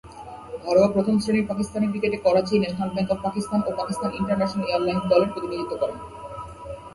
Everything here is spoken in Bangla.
ঘরোয়া প্রথম-শ্রেণীর পাকিস্তানি ক্রিকেটে Karachi, National Bank of Pakistan ও পাকিস্তান ইন্টারন্যাশনাল এয়ারলাইন্স দলের প্রতিনিধিত্ব করেন।